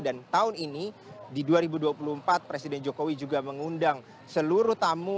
dan tahun ini di dua ribu dua puluh empat presiden jokowi juga mengundang seluruh tamu